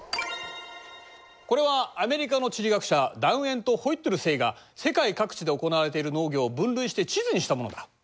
これはアメリカの地理学者ダウエント・ホイットルセイが世界各地で行われている農業を分類して地図にしたものだ。